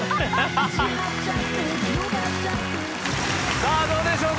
さあどうでしょうか？